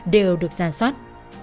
đều được ra soát